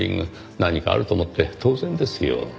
何かあると思って当然ですよ。